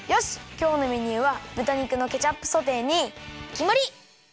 きょうのメニューはぶた肉のケチャップソテーにきまり！